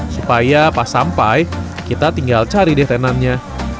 supaya pas sampai kita tinggal cari deh tenannya